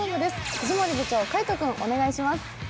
藤森部長、海音君、お願いします。